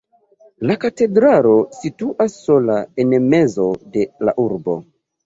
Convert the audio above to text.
La katedralo situas sola en mezo de la urbo.